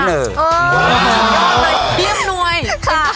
พ่มโผออกมาจากฉาก